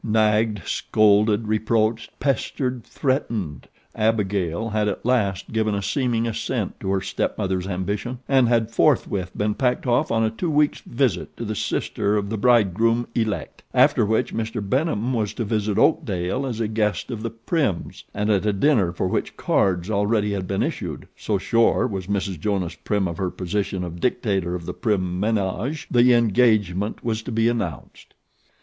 Nagged, scolded, reproached, pestered, threatened, Abigail had at last given a seeming assent to her stepmother's ambition; and had forthwith been packed off on a two weeks visit to the sister of the bride groom elect. After which Mr. Benham was to visit Oakdale as a guest of the Prims, and at a dinner for which cards already had been issued so sure was Mrs. Jonas Prim of her position of dictator of the Prim menage the engagement was to be announced.